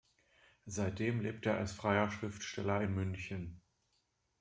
Seitdem lebt er als freier Schriftsteller in München.